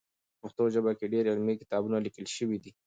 په پښتو ژبه کې ډېر علمي کتابونه لیکل سوي دي.